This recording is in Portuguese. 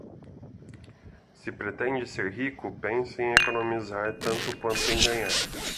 Se pretende ser rico, pense em economizar tanto quanto em ganhar.